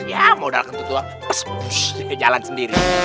ya modalkan tutup jalan sendiri